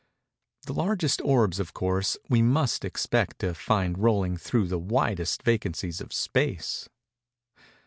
The largest orbs, of course, we must expect to find rolling through the widest vacancies of Space.